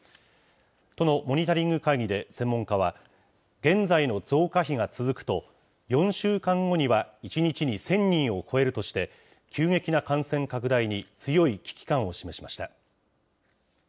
都のモニタリング会議で専門家は、現在の増加比が続くと、４週間後には１日に１０００人を超えるとして、急激な感染拡大に強い危機感を示しました。